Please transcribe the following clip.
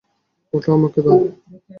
ওটা আমাকে দাও!